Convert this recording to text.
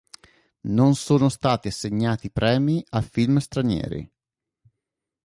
Non sono stati assegnati premi a film stranieri.